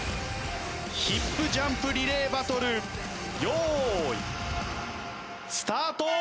ヒップジャンプリレーバトル用意スタート！